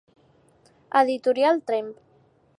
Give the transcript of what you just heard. Editorial Tremp.